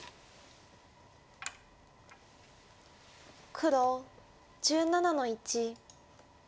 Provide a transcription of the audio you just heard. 黒１７の一。